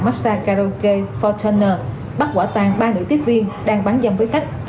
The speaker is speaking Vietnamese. messa karaoke fortin bắt quả tàn ba nữ tiếp viên đang bán dâm với khách